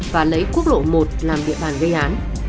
và lấy quốc lộ một làm địa bàn gây án